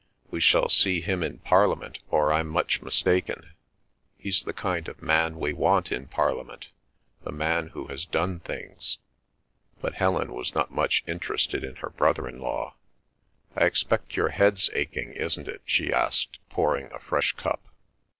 We shall see him in Parliament, or I'm much mistaken. He's the kind of man we want in Parliament—the man who has done things." But Helen was not much interested in her brother in law. "I expect your head's aching, isn't it?" she asked, pouring a fresh cup.